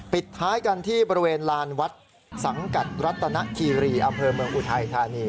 ปิดท้ายกันที่บริเวณลานวัดสังกัดรัตนคีรีอำเภอเมืองอุทัยธานี